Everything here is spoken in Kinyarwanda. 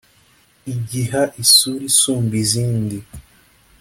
igiha isura isumba izindi